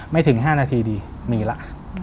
ไม่ถึง๕นาทีดีมีละ